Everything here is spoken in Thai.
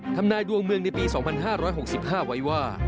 ทำนายดวงเมืองในปี๒๕๖๕ไว้ว่า